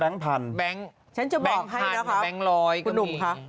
ข้างล่างมีแบงค์พันแบงค์พันแบงค์รอยก็มี